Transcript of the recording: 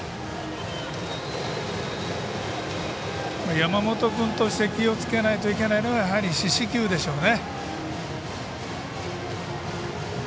山本君としては気をつけなきゃいけないのがやはり四死球でしょうね。